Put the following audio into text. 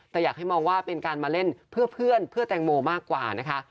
แต่อยากให้มองว่าเป็นการมาเล่นเพื่อเพื่อนเพื่อแตงโมมากกว่านะคะ